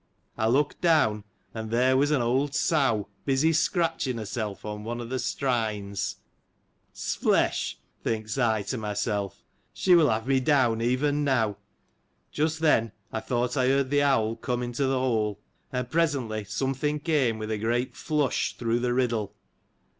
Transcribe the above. I looked down, and there was an old sow busy scratching herself on one of the strines. — S'flesh ! thinks I to myself, she will have me down, even now. Just then, I thought I heard the owl come into the hole ; and presently something came, with a great flush through the riddle.